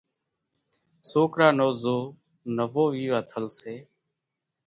سوڪرا نو زو نوو ويوا ٿل سي،